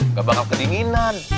nggak bakal kedinginan